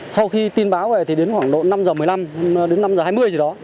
sau khi tin báo về thì đến khoảng độ năm h một mươi năm đến năm h hai mươi gì đó